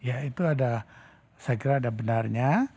ya itu ada saya kira ada benarnya